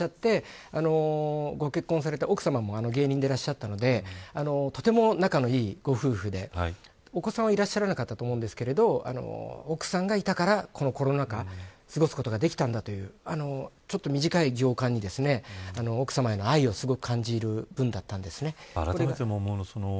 このときは奥さまのことを触れていらっしゃってご結婚された奥さまも芸人でらっしゃたのでとても仲のいい、ご夫婦でお子さんはいらっしゃらなかったと思うんですけど奥さんがいたから、このコロナ禍過ごすことができたんだというちょっと短い行間に奥さまへの愛をすごく感じる文だったんですね。